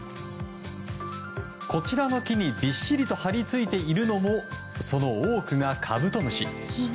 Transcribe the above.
こちらの木にびっしりと張り付いているのもその多くがカブトムシ。